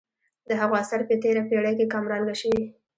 د هغو اثر په تېره پېړۍ کې کم رنګه شوی.